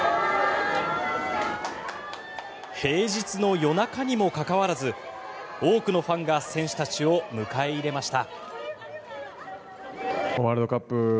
平日の夜中にもかかわらず多くのファンが選手たちを迎え入れました。